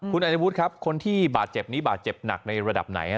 คุณอายวุฒิครับคนที่บาดเจ็บนี้บาดเจ็บหนักในระดับไหนฮะ